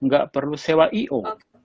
nggak perlu sewa i o